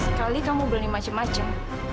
sekali kamu beli macem macem